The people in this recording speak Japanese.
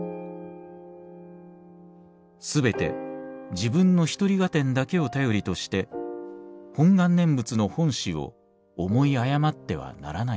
すべて自分の一人合点だけを頼りとして本願念仏の本旨を思い誤ってはならないのです。